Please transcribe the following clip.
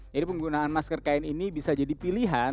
jadi penggunaan masker kain ini bisa jadi pilihan